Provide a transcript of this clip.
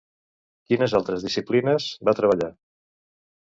Quines altres disciplines va treballar?